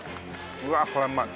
うわこりゃうまい。